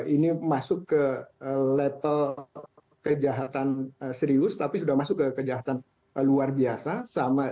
ini masuk ke level kejahatan serius tapi sudah masuk ke kejahatan luar biasa